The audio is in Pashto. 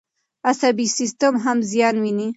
عصبي سیستم هم زیان ویني.